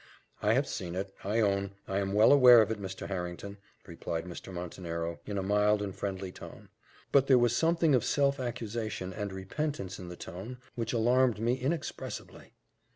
"I have seen it, I own I am well aware of it, Mr. Harrington," replied Mr. Montenero, in a mild and friendly tone; but there was something of self accusation and repentance in the tone, which alarmed me inexpressibly.